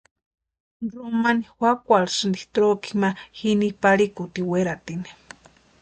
Ramoni juakwarhisti troki ma jini parhikutini weratini.